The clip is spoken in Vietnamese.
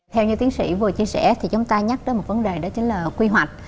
theo như tiến sĩ vừa chia sẻ thì chúng ta nhắc đến một vấn đề đó chính là quy hoạch